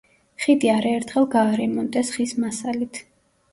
ხიდი არაერთხელ გაარემონტეს ხის მასალით.